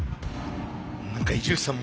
何か伊集院さん